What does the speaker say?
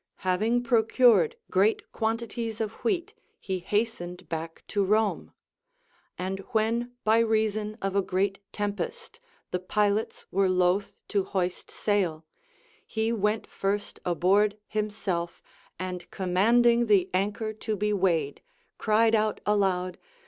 Having procured great quantities of wheat, he hastened back to Rome ; and Avhen by reason of a great tempest the pilots Λvere loath to hoist sail, he went first aboard himself, and commanding the anchor to be weighed, cried out aloud.